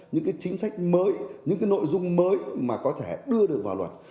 những chính sách mới những nội dung mới mà có thể đưa được vào luật